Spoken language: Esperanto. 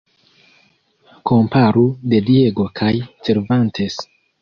Komparu "De Diego" kaj "Cervantes".